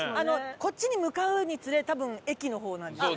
こっちに向かうにつれ多分駅の方なんですよね。